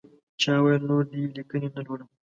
چا ویل نور دې لیکنې نه لولم.